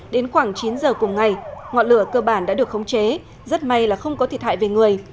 đến khoảng chín giờ cùng ngày ngọn lửa cơ bản đã được khống chế rất may là không có thiệt hại về người